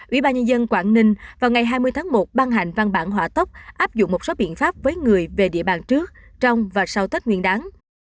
ủy ban nhân dân quảng ninh vào ngày hai mươi tháng một ban hành văn bản hỏa tốc áp dụng một số biện pháp với người về địa bàn trước trong và sau tết nguyên đáng